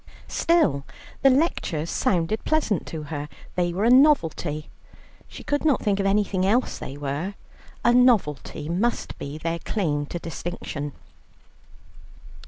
Still, the lectures sounded pleasant to her; they were a novelty, they were she could not think of anything else they were a novelty must be their claim to distinction.